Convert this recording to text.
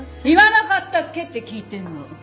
言わなかったっけって聞いてんの！